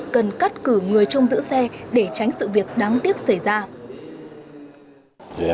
cần cắt cử người trông giữ xe để tránh sự việc đáng tiếc xảy ra